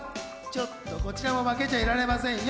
ちょっとこちらも負けてはいられませんよ。